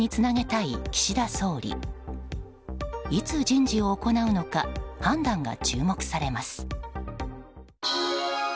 いつ人事を行うのか判断が注目されます。